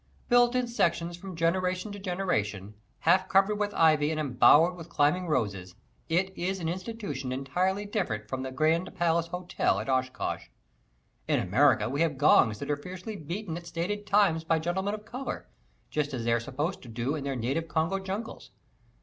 Built in sections from generation to generation, half covered with ivy and embowered in climbing roses, it is an institution entirely different from the "Grand Palace Hotel" at Oshkosh. In America we have gongs that are fiercely beaten at stated times by gentlemen of color, just as they are supposed to do in their native Congo jungles.